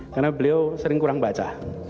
karena beliau sering kurang baca